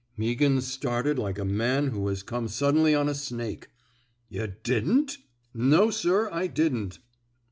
Meaghan started like a man who has come suddenly on a snake. *' Yuh didn't! "'' No, sir, I didn't."